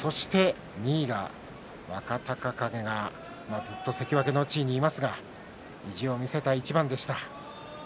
２位が若隆景が関脇の地位にいますが意地を見せた一番でした。